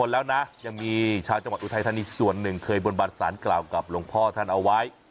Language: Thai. แล้วนะยังมีชาวจังหวัดอุทัยธานีส่วนหนึ่งเคยบนบานสารกล่าวกับหลวงพ่อท่านเอาไว้